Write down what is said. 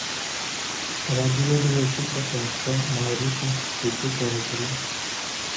এরা ধীরে ধীরে একটি স্বতন্ত্র মাওরি সংস্কৃতি গড়ে তোলে।